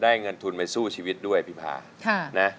ได้เงินทุนไปสู้ชีวิตด้วยพี่ภาคุณภาค